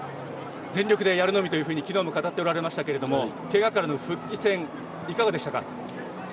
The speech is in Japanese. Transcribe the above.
全力でやるのみと昨日も語っておられましたがけがからの復帰戦いかがでしたか？